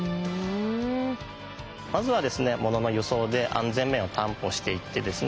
物の輸送で安全面を担保していってですね